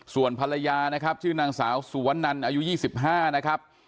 ส่วนภรรยานะครับชื่อนางสาวสุวนันอายุ๒๕นะครับ